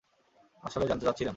আসলে জানতে চাচ্ছিলাম।